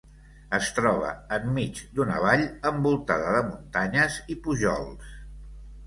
Es troba enmig d'una vall, envoltada de muntanyes i pujols.